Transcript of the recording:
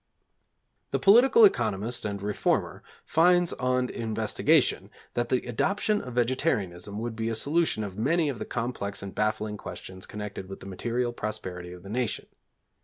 The political economist and reformer finds on investigation, that the adoption of vegetarianism would be a solution of many of the complex and baffling questions connected with the material prosperity of the nation.